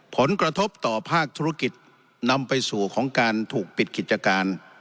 ผลกระทบต่อภาคธุรกิจนำไปสู่ของการถูกปิดกิจการ